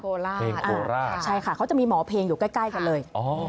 โคราชใช่ค่ะเขาจะมีหมอเพลงอยู่ใกล้กันเลย